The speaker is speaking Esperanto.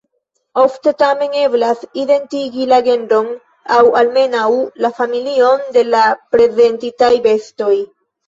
Ofte tamen eblas identigi la genron aŭ almenaŭ la familion de la prezentitaj bestoj.